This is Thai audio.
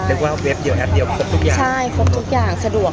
เว็บเดียวแอปเดียวครบทุกอย่างใช่ครบทุกอย่างสะดวก